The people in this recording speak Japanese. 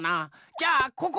じゃあここ！